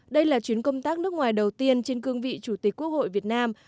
đây là chuyến công tác nước ngoài đầu tiên trên cương vị chủ tịch quốc hội việt nam